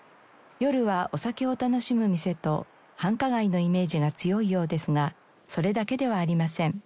夜はお酒を楽しむ店と繁華街のイメージが強いようですがそれだけではありません。